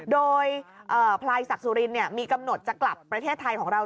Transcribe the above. โดยพลายศักดิ์สุรินมีกำหนดจะกลับประเทศไทยของเรา